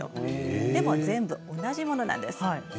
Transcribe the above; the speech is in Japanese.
でも全部同じものです。